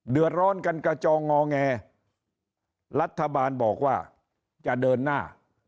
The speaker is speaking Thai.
เดือดร้อนกันกระจองงอแงรัฐบาลบอกว่าจะเดินหน้า